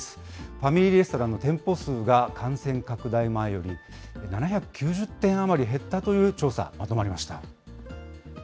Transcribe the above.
ファミリーレストランの店舗数が感染拡大前より７９０店余り減ったという調査、まとまりました。